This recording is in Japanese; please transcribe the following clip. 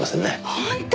本当？